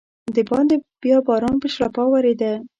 دباندې بیا باران په شړپا ورېده.